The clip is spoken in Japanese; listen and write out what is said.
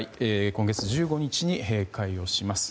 今月１５日に閉会をします。